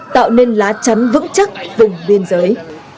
tạo nên lá chắn vững chắc vùng biên giới